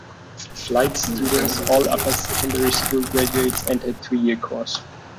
Flight students, all upper-secondary school graduates, enter a two-year course.